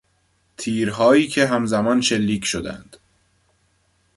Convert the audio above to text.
تیرهایی که هم زمان شلیک شدند